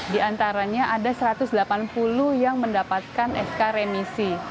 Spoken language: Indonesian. di antaranya ada satu ratus delapan puluh yang mendapatkan sk remisi